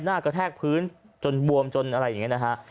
กระแทกพื้นจนบวมจนอะไรอย่างนี้นะฮะ